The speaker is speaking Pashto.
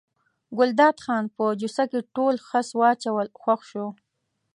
ګلداد خان په جوسه کې ټول خس واچول خوښ شو.